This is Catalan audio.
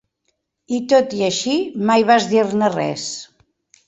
I, tot i així, mai vas dir-ne res!